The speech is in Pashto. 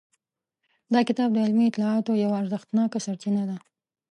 دا کتاب د علمي اطلاعاتو یوه ارزښتناکه سرچینه ده.